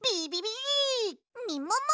みもも